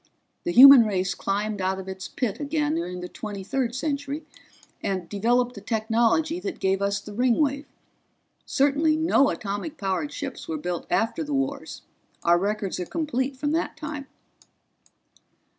The human race climbed out of its pit again during the Twenty third Century and developed the technology that gave us the Ringwave. Certainly no atomic powered ships were built after the wars our records are complete from that time."